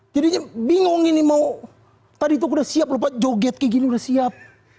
jadinya bingung ini mau tadi tuh udah siap lupa joget kayak gini udah siap